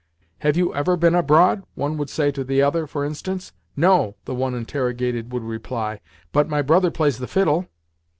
"Have you ever been abroad?" one would say to the other, for instance. "No," the one interrogated would reply, "but my brother plays the fiddle."